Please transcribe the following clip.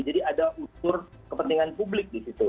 jadi ada usur kepentingan publik di situ